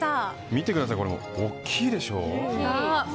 見てください、大きいでしょ。